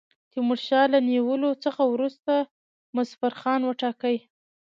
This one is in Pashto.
تیمورشاه له نیولو څخه وروسته مظفرخان وټاکی.